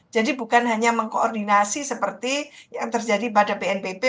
jadi bukan hanya mengkoordinasi seperti yang terjadi pada pnpp